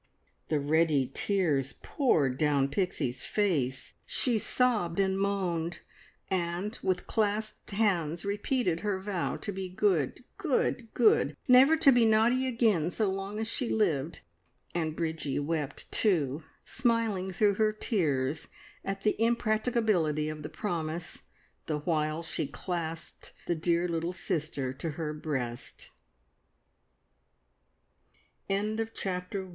The ready tears poured down Pixie's face. She sobbed and moaned, and with clasped hands repeated her vow to be good, good, good; never to be naughty again so long as she lived! And Bridgie wept too, smiling through her tears at the impracticability of the promise, the while she clasped the dear little sister to her breast. CHAPTER TWO.